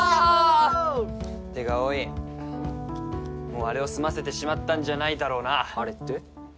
もうあれを済ませてしまったんじゃないだろうなあれって？